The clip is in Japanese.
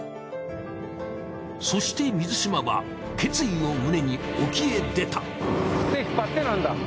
そして水嶋は決意を胸に沖へ出た。